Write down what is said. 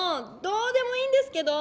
どうでもいいんですけど！